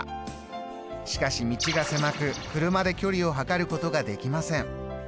しかし道が狭く車で距離を測ることができません。